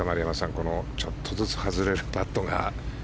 このちょっとずつ外れるパットが。